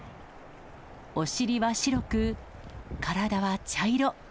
お尻は白く、体は茶色。